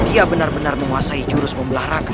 dia benar benar menguasai jurus membelah raga